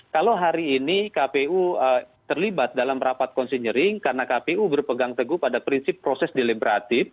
kalau hari ini kpu terlibat dalam rapat konsinyering karena kpu berpegang teguh pada prinsip proses deliberatif